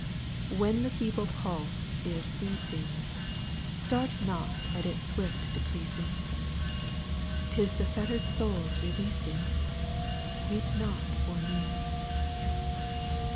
When the feeble pulse is ceasing, Start not at its swift decreasing, 'T is the fettered soul 's releasing ; Weep not for mc.